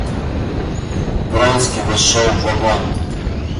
Вронский вошел в вагон.